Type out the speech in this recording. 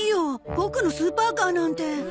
ボクのスーパーカーなんて。